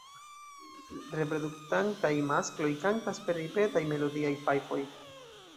Reproduktantaj maskloj kantas per ripetaj melodiaj fajfoj.